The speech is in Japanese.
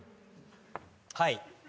はい。